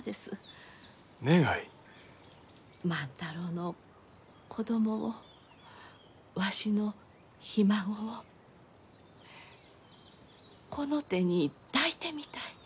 万太郎の子供をわしのひ孫をこの手に抱いてみたい。